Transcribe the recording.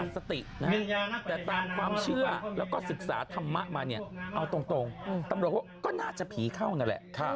สตินะฮะแต่ตามความเชื่อแล้วก็ศึกษาธรรมะมาเนี่ยเอาตรงตำรวจว่าก็น่าจะผีเข้านั่นแหละ